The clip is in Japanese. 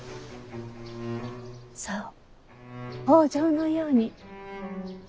そう北条のように。